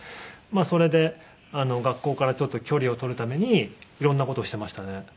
それで学校からちょっと距離を取るために色んな事をしてましたね。